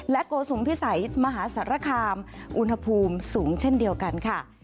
โกสุมพิสัยมหาสารคามอุณหภูมิสูงเช่นเดียวกันค่ะ